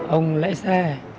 ông lấy xe